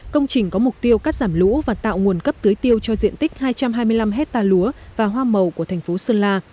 công trình có mục tiêu cắt giảm lũ và tạo nguồn cấp tưới tiêu cho diện tích hai trăm hai mươi năm hectare lúa và hoa màu của thành phố sơn la